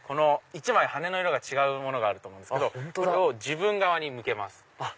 １枚羽根の色が違うものがあるんですけど自分側に向けます。